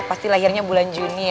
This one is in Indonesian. pasti lahirnya bulan juni ya